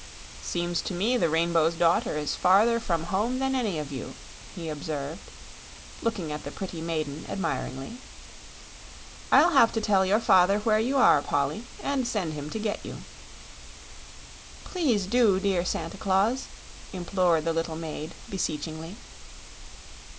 "Seems to me the Rainbow's Daughter is farther from home than any of you," he observed, looking at the pretty maiden admiringly. "I'll have to tell your father where you are, Polly, and send him to get you." "Please do, dear Santa Claus," implored the little maid, beseechingly.